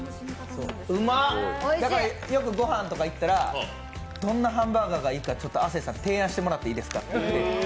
だからよくご飯とか行ったら、どんなハンバーガーがいいか亜生さん、提案してくださいって。